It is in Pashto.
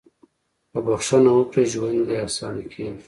• که بښنه وکړې، ژوند دې اسانه کېږي.